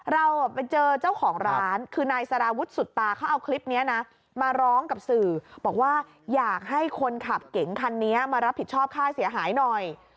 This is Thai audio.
เราไปเจอเจ้าของร้านคือนายสารวุฒิสุดตาเขาเอาคลิปนี้นะมาร้องกับสื่อบอกว่าอยากให้คนขับเก๋งคันนี้มารับผิดชอบค่าเสียหายหน่อย